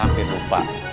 sobri juga punya anak